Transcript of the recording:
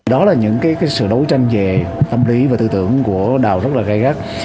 đó là những sự đấu tranh về tâm lý và tư tưởng của đào rất là gây gắt